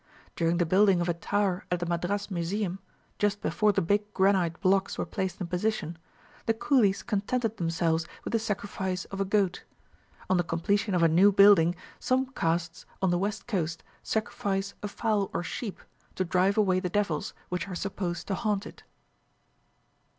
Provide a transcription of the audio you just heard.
During the building of a tower at the Madras Museum, just before the big granite blocks were placed in position, the coolies contented themselves with the sacrifice of a goat. On the completion of a new building, some castes on the west coast sacrifice a fowl or sheep, to drive away the devils, which are supposed to haunt it.